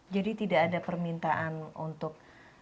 jadi tidak ada permintaan untuk